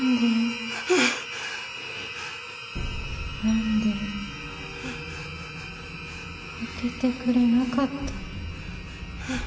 何で開けてくれなかったの？